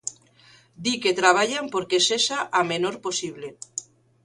Di que traballan porque sexa a menor posible.